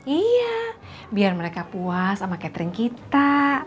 iya biar mereka puas sama catering kita